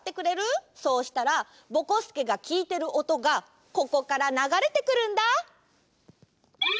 そうしたらぼこすけがきいてるおとがここからながれてくるんだ。